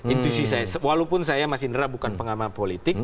intuisi saya walaupun saya mas indra bukan pengamal politik